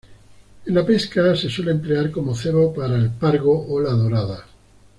En pesca se suele emplear como cebo para el pargo o la dorada.